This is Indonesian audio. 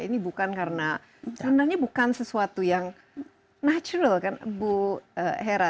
ini bukan karena sebenarnya bukan sesuatu yang natural kan bu hera